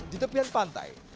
di tepian pantai